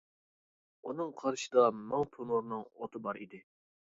ئۇنىڭ قارىشىدا مىڭ تونۇرنىڭ ئوتى بار ئىدى.